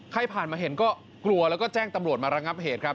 ใครพาดมาเห็นก็โกรธและแจ้งตำรวจมาระงับเหตุครับ